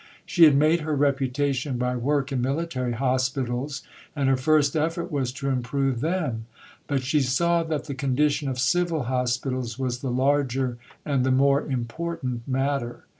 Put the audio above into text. She had made her reputation by work in military hospitals, and her first effort was to improve them, but she saw that the condition of civil hospitals was the larger and the more important matter.